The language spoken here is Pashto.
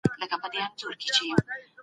د علم ارزښتناکه ځانګړنه د پایلو وړاندوېنه ده.